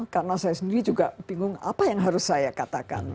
karena saya sendiri juga bingung apa yang harus saya katakan